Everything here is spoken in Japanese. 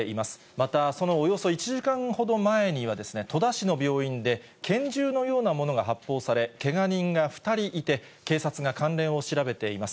またそのおよそ１時間ほど前には、戸田市の病院で拳銃のようなものが発砲され、けが人が２人いて、警察が関連を調べています。